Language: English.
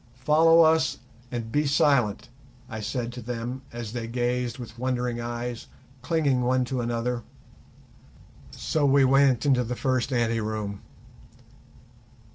"Follow us and be silent," I said to them as they gazed with wondering eyes, clinging one to another. So we went into the first ante room.